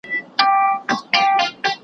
کرۍ ورځ توري ګولۍ وې چلېدلې .